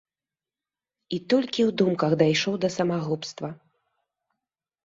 І толькі ў думках дайшоў да самагубства.